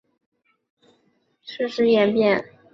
罗马宪法随着时间的流逝演变。